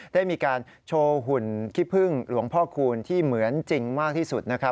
ได้มีการโชว์หุ่นขี้พึ่งหลวงพ่อคูณที่เหมือนจริงมากที่สุดนะครับ